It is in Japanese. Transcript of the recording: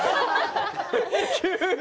急に。